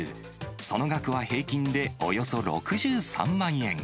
その額は平均でおよそ６３万円。